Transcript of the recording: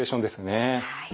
はい。